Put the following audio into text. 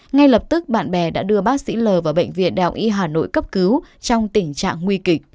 ngay lập tức bạn bè đã đưa bác sĩ l vào bệnh viện đại học y hà nội cấp cứu trong tình trạng nguy kịch